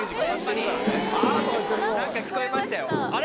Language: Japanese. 何か聞こえましたよあれ？